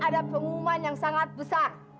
ada pengumuman yang sangat besar